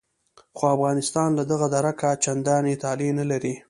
خو افغانستان له دغه درکه چندانې طالع نه لري.